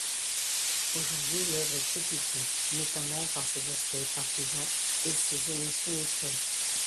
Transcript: Aujourd'hui l'œuvre est critiquée, notamment par ses aspects partisans et ses omissions historiques.